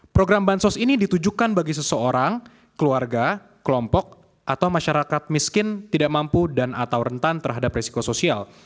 program bansos ini ditujukan bagi seseorang keluarga kelompok atau masyarakat miskin tidak mampu dan atau rentan terhadap risiko sosial